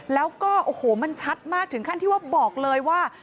แล้วก็โอ้โหมันชัดมากถึงขั้นที่ว่าบอกเลยว่า